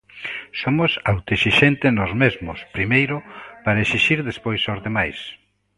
Somos autoexixentes nós mesmos primeiro para exixir despois aos demais.